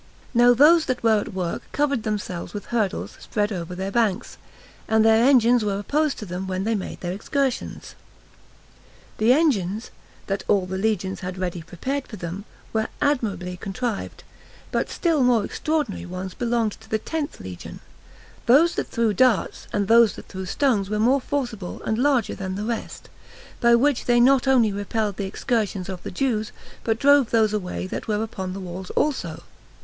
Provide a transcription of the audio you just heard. Now those that were at work covered themselves with hurdles spread over their banks, and their engines were opposed to them when they made their excursions. The engines, that all the legions had ready prepared for them, were admirably contrived; but still more extraordinary ones belonged to the tenth legion: those that threw darts and those that threw stones were more forcible and larger than the rest, by which they not only repelled the excursions of the Jews, but drove those away that were upon the walls also.